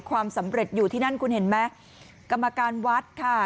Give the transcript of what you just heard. ความสำเร็จอยู่ที่นั่นคุณเห็นไหมกรรมการวัดค่ะ